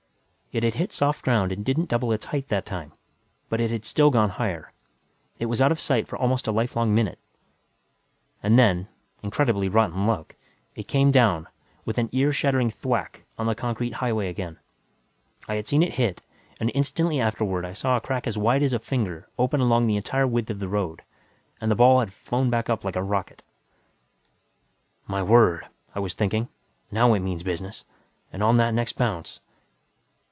It had hit soft ground and didn't double its height that time, but it had still gone higher. It was out of sight for almost a lifelong minute. And then incredibly rotten luck it came down, with an ear shattering thwack, on the concrete highway again. I had seen it hit, and instantly afterward I saw a crack as wide as a finger open along the entire width of the road. And the ball had flown back up like a rocket. My God, I was thinking, _now it means business. And on the next bounce....